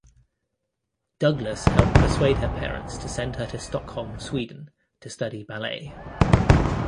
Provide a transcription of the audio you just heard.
Douglas helped persuade her parents to send her to Stockholm, Sweden to study ballet.